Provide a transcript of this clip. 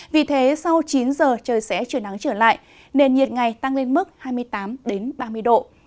vì thế sau chín giờ trời sẽ chuyển nắng trở lại nền nhiệt ngày tăng lên mức hai mươi tám ba mươi độ